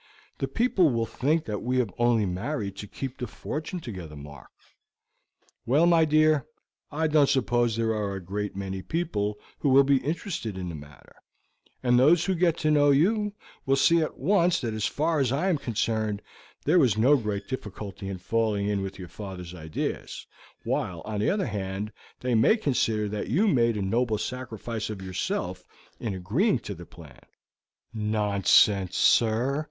"Then people will think that we have only married to keep the fortune together, Mark." "Well, my dear, I don't suppose there are a great many people who will be interested in the matter, and those who get to know you will see at once that as far as I am concerned, there was no great difficulty in falling in with your father's ideas, while, on the other hand, they may consider that you made a noble sacrifice of yourself in agreeing to the plan." "Nonsense, sir.